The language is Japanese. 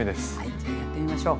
じゃあやってみましょう。